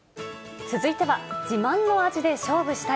続いては、自慢の味で勝負したい。